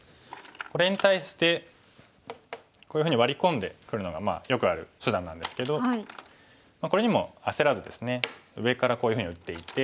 これに対してこういうふうにワリ込んでくるのがよくある手段なんですけどこれにも焦らずですね上からこういうふうに打っていて。